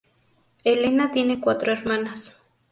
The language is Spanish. Helena tiene cuatro hermanas.